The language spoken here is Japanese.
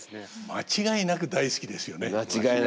間違いなく好きですね。